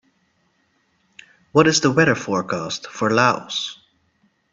What is the weather forecast for Laos